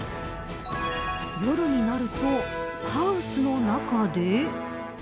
夜になるとハウスの中で。